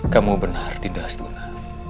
kamu benar dinda astuna